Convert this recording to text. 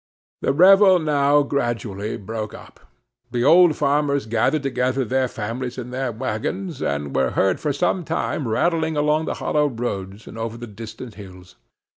The revel now gradually broke up. The old farmers gathered together their families in their wagons, and were heard for some time rattling along the hollow roads, and over the distant hills.